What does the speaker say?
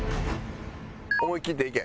思いきっていけ。